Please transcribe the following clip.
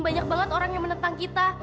banyak banget orang yang menentang kita